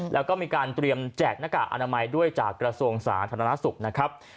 แล้วก็มีการเตรียมแจกนก่าอนามัยด้วยจากกระทรวงศาสนธนศุกร์นะครับ